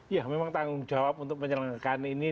ya memang tanggung jawab untuk penyelenggaraan ini